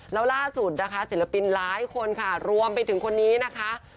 แล้วล่าสุดนะคะศิลปินหลายคนค่ะรวมไปถึงคนนี้นะคะ